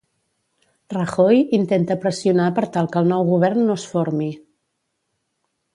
Rajoy intenta pressionar per tal que el nou govern no es formi.